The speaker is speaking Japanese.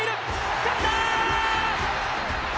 つかんだ！